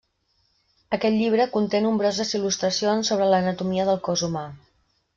Aquest llibre conté nombroses il·lustracions sobre l'anatomia del cos humà.